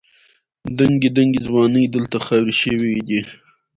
دنګې دنګې ځوانۍ دلته خاورې شوې دي.